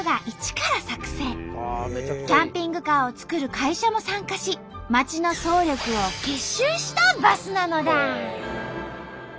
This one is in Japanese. キャンピングカーを作る会社も参加し町の総力を結集したバスなのだ！